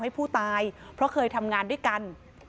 ให้ผู้ตายเพราะเคยทำงานด้วยกัน